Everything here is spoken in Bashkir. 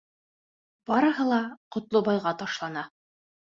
Барыһы ла Ҡотлобайға ташлана.